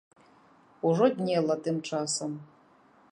Ужо днела тым часам.